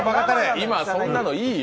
今、そんなのいいよ。